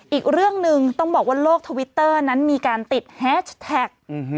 อีกเรื่องหนึ่งต้องบอกว่าโลกทวิตเตอร์นั้นมีการติดแฮชแท็ก